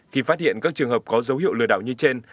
khi phát hiện các trường hợp có dấu hiệu lừa đảo như trên